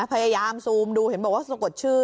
พยายามซูมดูเห็นบอกว่าสะกดชื่อ